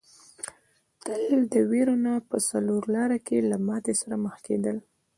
تل د وېرونا په څلور لاره کې له ماتې سره مخ کېدل.